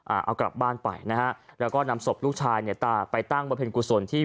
เอากลับบ้านไปนะฮะแล้วก็นำศพลูกชายเนี่ยตาไปตั้งบริเวณกุศลที่